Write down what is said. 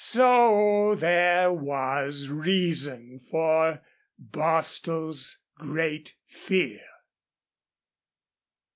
So there was reason for Bostil's great fear.